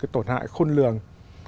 tổn hại khôn lường